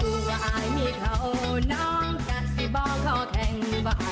หรืออะไรอย่างนี้มากกว่า